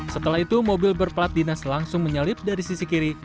setelah itu mobil berplat dinas langsung menyalip dari sisi kiri